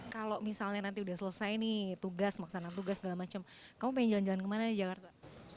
kalau misalnya nanti udah selesai nih tugas maksana tugas segala macam kamu pengen jalan jalan kemana nih jakarta